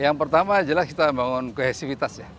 yang pertama jelas kita membangun kohesivitas ya